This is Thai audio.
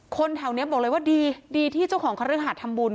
แถวนี้บอกเลยว่าดีที่เจ้าของคฤหาสทำบุญ